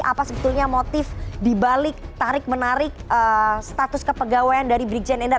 apa sebetulnya motif dibalik tarik menarik status kepegawaian dari brigjen endar